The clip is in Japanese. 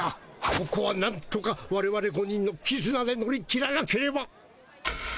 ここはなんとかわれわれ５人のきずなで乗り切らなければ！